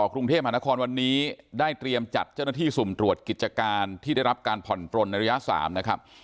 กรุงเทพมหานครวันนี้ได้เตรียมจัดเจ้าหน้าที่สุ่มตรวจกิจการที่ได้รับการผ่อนปลนในระยะ๓นะครับ